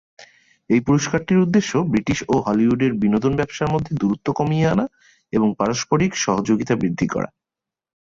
এই পুরস্কারটির উদ্দেশ্য ব্রিটিশ এবং হলিউডের বিনোদন ব্যবসার মধ্যে দূরত্ব কমিয়ে আনা এবং পারস্পারিক সহযোগিতা বৃদ্ধি করা।